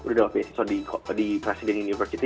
udah dapat phd di presiden university